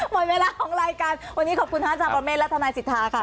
หมดเวลาของรายการวันนี้ขอบคุณอาจารย์ประเมฆและทนายสิทธาค่ะ